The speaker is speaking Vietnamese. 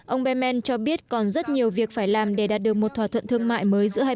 ông bemen cho biết còn rất nhiều việc phải làm để đạt được một thỏa thuận thương mại mới giữa hai